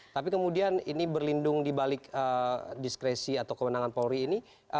tapi kemudian ini berlindung dibalik diskresi atau kewenangan polri ini